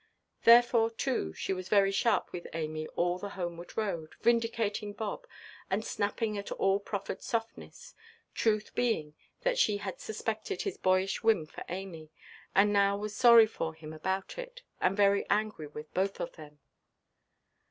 Therefore, too, she was very sharp with Amy all the homeward road; vindicating Bob, and snapping at all proffered softness; truth being that she had suspected his boyish whim for Amy, and now was sorry for him about it, and very angry with both of them.